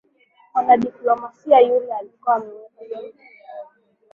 Mwanadiplomasia yule alikuwa ameweka chumvi kidogo